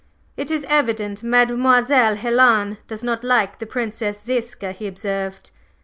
"It is evident Mademoiselle Helen does not like the Princess Ziska," he observed.